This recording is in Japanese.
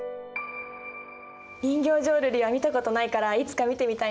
人形浄瑠璃は見たことないからいつか見てみたいな。